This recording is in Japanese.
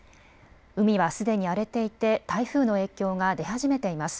海はすでに荒れていて台風の影響が出始めています。